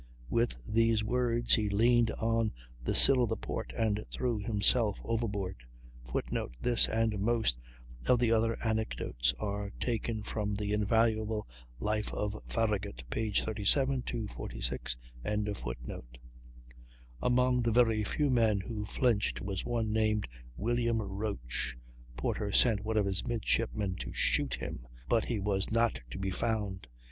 With these words he leaned on the sill of the port, and threw himself overboard. [Footnote: This and most of the other anecdotes are taken from the invaluable "Life of Farragut," pp. 37 46.] Among the very few men who flinched was one named William Roach; Porter sent one of his midshipmen to shoot him, but he was not to be found.